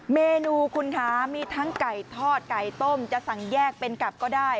เมนูคุณคะมีทั้งไก่ทอดไก่ต้มจะสั่งแยกเป็นกับก็ได้